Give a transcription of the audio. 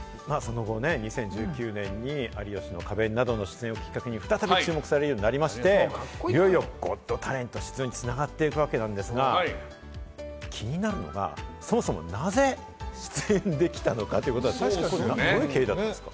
その後、２０１９年に『有吉の壁』などの出演をきっかけに再び注目されるようになりまして、いよいよ番組に繋がっていくわけですけれども、気になるのがそもそもなぜ出演できたのかと、どういう経緯だったんですか？